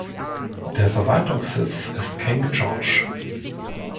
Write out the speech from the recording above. Der Verwaltungssitz ist King George.